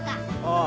ああ。